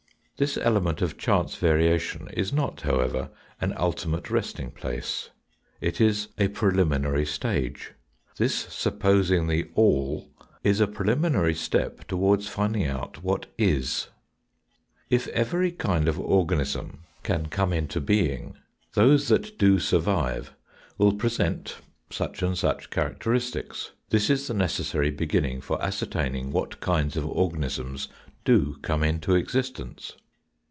This element of chance variation is not, however, an ultimate resting place. It is a preliminary stage. This supposing the all is a preliminary step towards finding out what is. If every kind of organism can come into 118 THE FOURTH DIMENSION being, those that do survive will present such and such characteristics. This is the necessary beginning for ascer taining what kinds of organisms do come into existence.